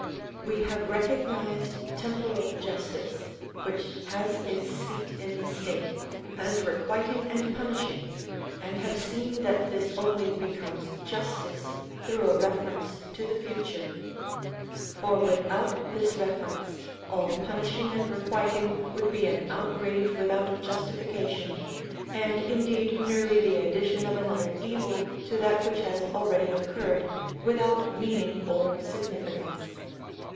(76) § 63. We have recognised temporal justice, which has its seat in the state, as requiting and punishing, and have seen that this only becomes justice through a reference to the future. For without this reference all punishing and requiting would be an outrage without justification, and indeed merely the addition of another evil to that which has already occurred, without meaning or significance.